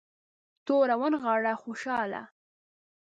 توره ونغاړه خوشحاله.